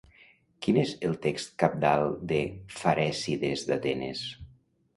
Quin és el text cabdal de Ferècides d'Atenes?